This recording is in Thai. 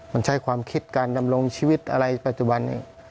มันใช้ความคิดการดำรงชีวิตอะไรปัจจุบันนี้